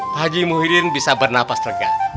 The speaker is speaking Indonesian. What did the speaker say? pak haji muhyiddin bisa bernafas regang